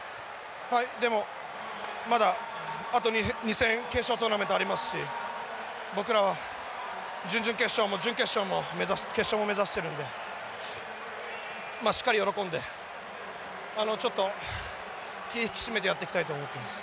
でもまだあと２戦決勝トーナメントありますし僕らは準々決勝も準決勝も決勝も目指しているのでしっかり喜んでちょっと気ぃ引き締めてやっていきたいと思っています。